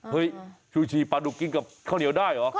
ชูชีปลาดุกกินกับข้าวเหนียวได้เหรอ